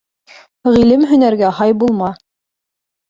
Ғилем-һөнәргә һай булма.